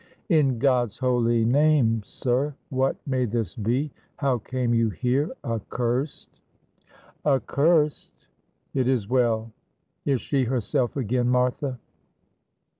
"In God's holy name, sir, what may this be? How came you here; accursed!" "Accursed? it is well. Is she herself again, Martha?"